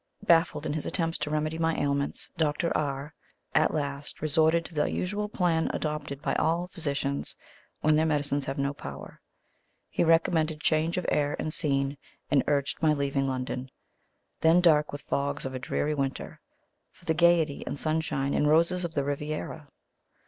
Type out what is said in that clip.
Baffled in his attempts to remedy my ailments, Dr. R at last resorted to the usual plan adopted by all physicians when their medicines have no power. He recommended change of air and scene, and urged my leaving London, then dark with the fogs of a dreary winter, for the gaiety and sunshine and roses of the Riviera.